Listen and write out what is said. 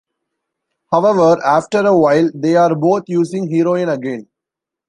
However, after a while they are both using heroin again.